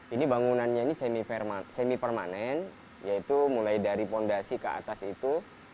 ini bangunannya ini semi permanen yaitu mulai dari fondasi ke atas itu